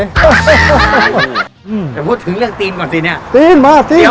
แต่พูดถึงเรื่องตีนก่อนสิเนี่ยตีนบ่อซีน